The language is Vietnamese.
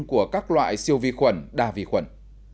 của các loại siêu vi khuẩn đa vi khuẩn